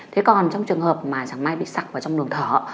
thế còn trong trường hợp mà chẳng may bị sặc vào trong đường thở